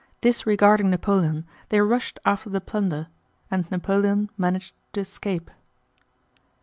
Disregarding Napoleon they rushed after the plunder and Napoleon managed to escape.